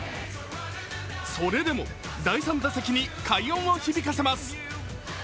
それでも、第３打席に快音を響かせます。